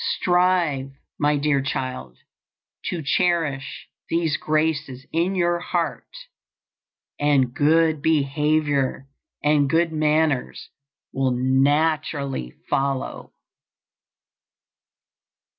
Strive, my dear child, to cherish these graces in your heart, and good behavior and good manners will naturally follow.